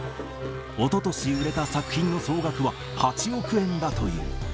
おととし売れた作品の総額は８億円だという。